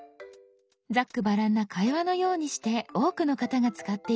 ざっくばらんな会話のようにして多くの方が使っています。